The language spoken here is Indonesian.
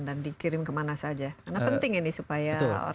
dan dikirim kemana saja karena penting ini supaya orang paham ya